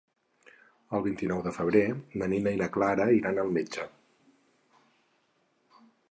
El vint-i-nou de febrer na Nina i na Clara iran al metge.